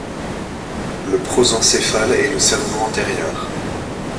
Le prosencéphale est le cerveau antérieur.